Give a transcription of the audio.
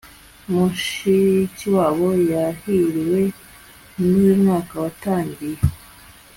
mushikiwabo yahiriwe nuyumwaka twatangiye